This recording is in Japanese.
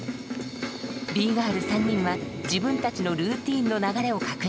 Ｂ−ＧＩＲＬ３人は自分たちのルーティーンの流れを確認。